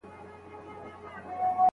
آيا د خاوند خبري منل واجب دي؟